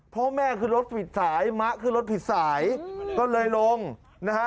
พ่อแม่ขึ้นรถผิดสายมะขึ้นรถผิดสายก็เลยลงนะฮะ